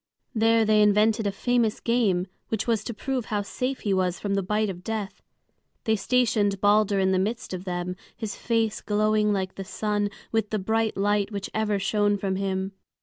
There they invented a famous game, which was to prove how safe he was from the bite of death. They stationed Balder in the midst of them, his face glowing like the sun with the bright light which ever shone from him.